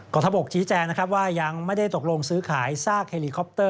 กวาบอัลวิทย์ที่แจ่งแย่งอย่างไม่ได้ตกลงซื้อขายซากแฮลลิคอปเตอร์